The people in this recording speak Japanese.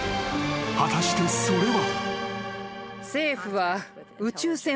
果たしてそれは］